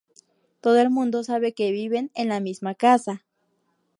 Todo el mundo sabe que viven en la misma casa".